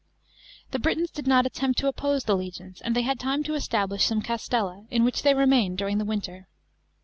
The Britons did not attempt to oppose the legions, and they had time to establish some castetta, in which they remained during the winter.